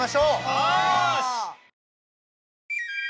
よし！